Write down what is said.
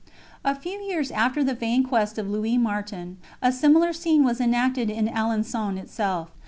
A few years after the vain quest of Louis Martin, a similar scene was enacted in Alençon itself.